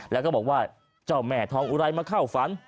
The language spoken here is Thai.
แล้วก็บอกว่าเจ้าแม่ทองอุไรมาเข้าฝัน